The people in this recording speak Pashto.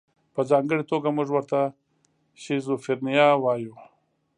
په ځانګړې توګه موږ ورته شیزوفرنیا وایو.